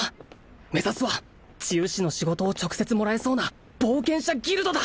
目指すは治癒士の仕事を直接もらえそうな冒険者ギルドだ！